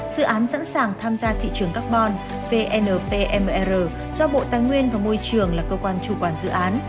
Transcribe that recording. dự án sẵn sàng tham gia thị trường carbon vnpmr do bộ tài nguyên và môi trường là cơ quan chủ quản dự án